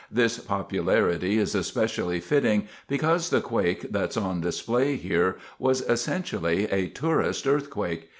This popularity is especially fitting because the quake that's on display here was essentially a "tourist earthquake".